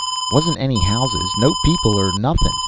Wasn't any houses, no people or nothing.